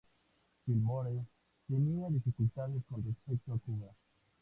Fillmore tenía dificultades con respecto a Cuba.